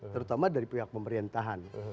terutama dari pihak pemerintahan